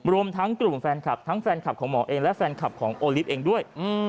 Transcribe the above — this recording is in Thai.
รวมทั้งกลุ่มแฟนคลับทั้งแฟนคลับของหมอเองและแฟนคลับของโอลิฟต์เองด้วย